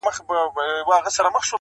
د پتڼ له سرې لمبې نه څه پروا ده٫